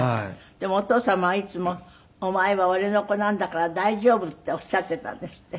でもお父様はいつも「お前は俺の子なんだから大丈夫」っておっしゃっていたんですって？